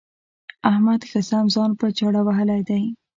احمد ښه سم ځان په چاړه وهلی دی.